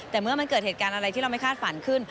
แต่เมื่อมันเกิดเหตุการณ์อะไรที่เราไม่คาดฝันขึ้น